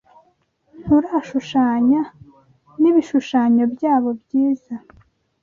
Nturashushanya nibishushanyo byabo byiza